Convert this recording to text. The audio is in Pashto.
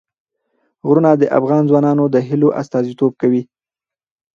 غرونه د افغان ځوانانو د هیلو استازیتوب کوي.